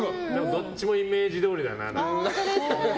どっちもイメージどおりだな。